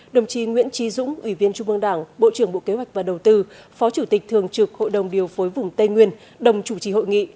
đồng chí nguyễn trí dũng ủy viên trung ương đảng bộ trưởng bộ kế hoạch và đầu tư phó chủ tịch thường trực hội đồng điều phối vùng tây nguyên đồng chủ trì hội nghị